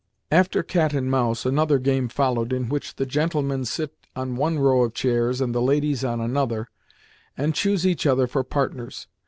After "cat and mouse", another game followed in which the gentlemen sit on one row of chairs and the ladies on another, and choose each other for partners.